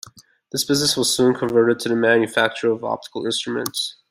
This business was soon converted to the manufacture of optical instruments.